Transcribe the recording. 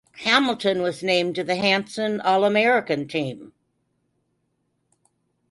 Hamilton was named to the Hanson All American team.